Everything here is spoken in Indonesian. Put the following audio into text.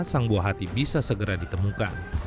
sang buah hati bisa segera ditemukan